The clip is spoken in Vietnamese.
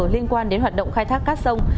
liên quan đến hoạt động khai thác các sông